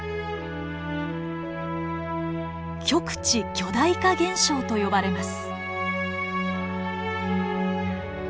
極地巨大化現象と呼ばれます。